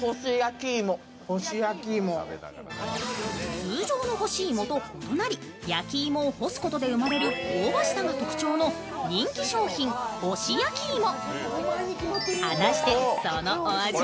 通常の干し芋と異なり、焼き芋を干すことで香ばしさが特徴の人気商品ほし焼きいも。